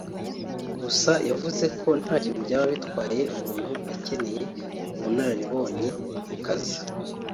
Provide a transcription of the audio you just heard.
Gusa yavuze ko ntacyo byaba bitwaye umuntu akeneye ubunararibonye mu kazi